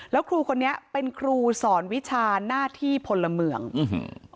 แล้วครูคนนี้เป็นครูสอนวิชาหน้าที่พลเมืองอื้อหือ